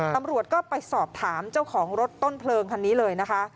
ตำรวจก็ไปสอบถามเจ้าของรถต้นเพลิงคันนี้เลยนะคะ